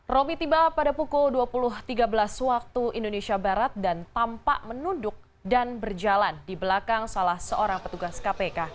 roby tiba pada pukul dua puluh tiga belas waktu indonesia barat dan tampak menunduk dan berjalan di belakang salah seorang petugas kpk